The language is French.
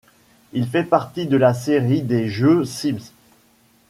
Il fait partie de la série des jeux Sims.